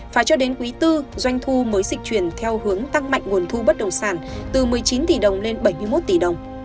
phải cho đến quý bốn doanh thu mới dịch chuyển theo hướng tăng mạnh nguồn thu bất đồng sản từ một mươi chín tỷ đồng lên bảy mươi một tỷ đồng